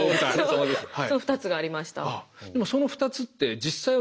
その２つがありました。